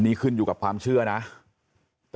ครับคุณสาวทราบไหมครับ